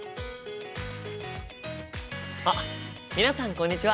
あっ皆さんこんにちは！